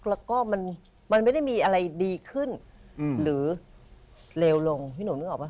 แล้วก็มันไม่ได้มีอะไรดีขึ้นหรือเลวลงพี่หนุ่มนึกออกป่